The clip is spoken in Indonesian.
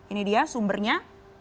ini dia sumbernya